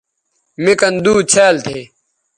مِ کن دُو څھیال تھے